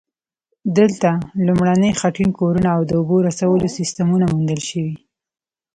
دلته لومړني خټین کورونه او د اوبو رسولو سیستمونه موندل شوي